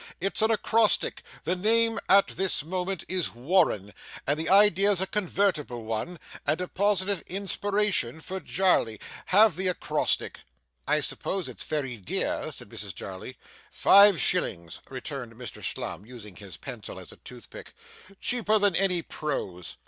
It's an acrostic the name at this moment is Warren, and the idea's a convertible one, and a positive inspiration for Jarley. Have the acrostic.' 'I suppose it's very dear,' said Mrs Jarley. 'Five shillings,' returned Mr Slum, using his pencil as a toothpick. 'Cheaper than any prose.